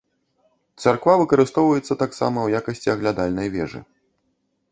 Царква выкарыстоўваецца таксама ў якасці аглядальнай вежы.